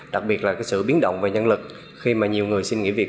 đặc biệt là cái sự biến động về nhân lực khi mà nhiều người xin nghỉ việc